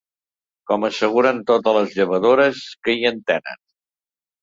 Com asseguren totes les llevadores que hi entenen